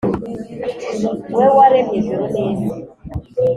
We waremye ijuru n ‘isi.